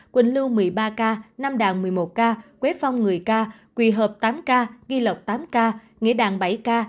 quỳnh lưu một mươi ba ca nam đàn một mươi một ca quế phong một mươi ca quỳ hợp tám ca ghi lộc tám ca nghệ đàn bảy ca